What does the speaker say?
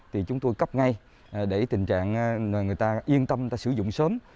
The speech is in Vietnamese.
thì chúng tôi cấp ngay để tình trạng người ta yên tâm người ta sử dụng sớm